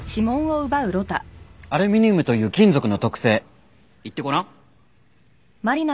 アルミニウムという金属の特性言ってごらん。